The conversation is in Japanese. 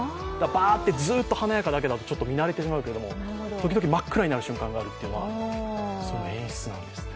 バーッとずっと華やかだけだと見慣れてしまうという、ときどき真っ暗になる瞬間があるというのはその演出なんですね。